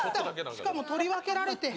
しかも取り分けられて。